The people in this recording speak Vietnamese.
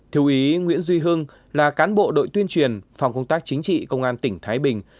thiếu ý nguyễn duy hưng là cán bộ đội tuyên truyền phòng công tác chính trị công an tỉnh thái bình